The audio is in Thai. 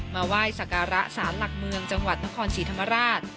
มาไหว้สักการะสารหลักเมืองจังหวัดนครศรีธรรมราช